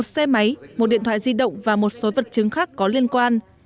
một xe máy một điện thoại di động và một số vật chứng khác có liên quan